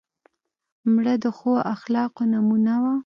مړه د ښو اخلاقو نمونه وه